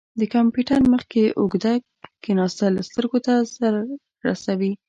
د کمپیوټر مخ کې اوږده کښیناستل سترګو ته ضرر رسوي.